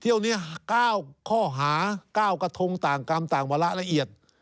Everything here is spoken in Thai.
ที่วันนี้๙ข้อหา๙กะทงต่างกรรมต่างเวลาระเอียด